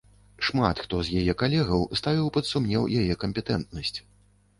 Шмат хто з яе калегаў ставіў пад сумнеў яе кампетэнтнасць.